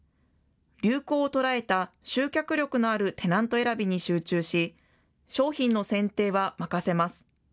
流行を捉えた集客力のあるテナント選びに集中し、商品の選定は任せます。